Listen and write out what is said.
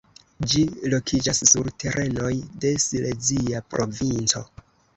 Ĝi lokiĝas sur terenoj de Silezia Provinco.